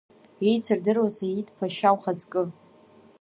Иеицырдыруа Саид Ԥашьа ухаҵкы!